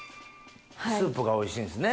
スープがおいしいんですね。